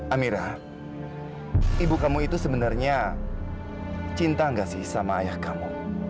amira ibu kamu itu sebenarnya cinta nggak sih sama ayah kamu